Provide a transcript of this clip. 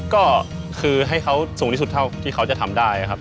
ก็คือให้เขาสูงที่สุดเท่าที่เขาจะทำได้ครับ